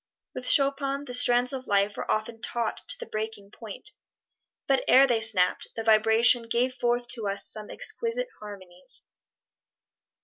With Chopin the strands of life were often taut to the breaking point, but ere they snapped, their vibration gave forth to us some exquisite harmonies.